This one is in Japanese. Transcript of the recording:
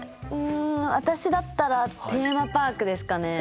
私だったらテーマパークですかね。